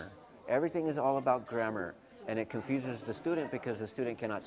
semuanya bergantung dengan grammar dan itu membuat pelajar bingung karena pelajar tidak bisa berbicara dengan baik